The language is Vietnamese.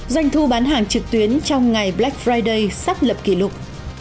doanh thu bán hàng trực tuyến trong ngày black friday sắp lập kỷ lục